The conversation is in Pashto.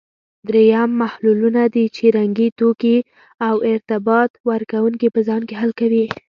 دریم محللونه دي چې رنګي توکي او ارتباط ورکوونکي په ځان کې حل کوي.